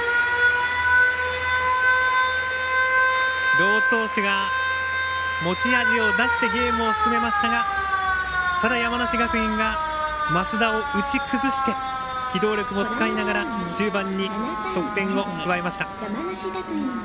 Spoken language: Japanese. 両投手が持ち味を出してゲームを進めましたがただ、山梨学院が升田を打ち崩して機動力も使いながら中盤に得点を加えました。